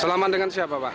selamat dengan siapa pak